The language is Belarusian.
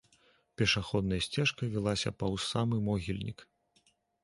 Пешаходная сцежка вілася паўз самы могільнік.